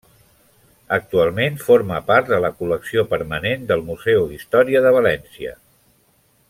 Actualment forma part de la col·lecció permanent del Museu d'història de València.